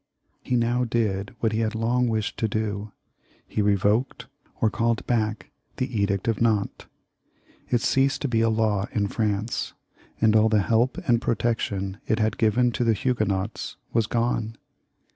He now did what he had long wished to do; he revoked or called back the Edict of Nantes. It ceased to be a law in France, and all the help and protection it had given to 348 LOUIS XIV. [CH. the Huguenots was gone.